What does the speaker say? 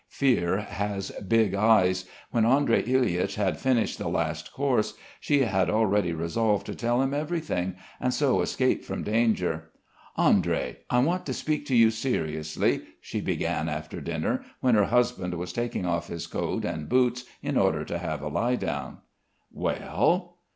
Fear has big eyes. When Andrey Ilyitch had finished the last course, she had already resolved to tell him everything and so escape from danger. "Andrey, I want to speak to you seriously," she began after dinner, when her husband was taking off his coat and boots in order to have a lie down. "Well?"